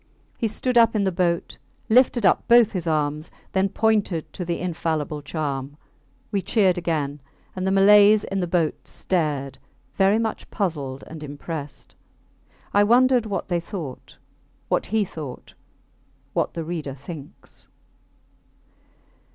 He stood up in the boat, lifted up both his arms, then pointed to the infallible charm. We cheered again; and the Malays in the boats stared very much puzzled and impressed. I wondered what they thought; what he thought; ... what the reader thinks?